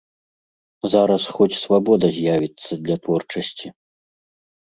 Зараз хоць свабода з'явіцца для творчасці.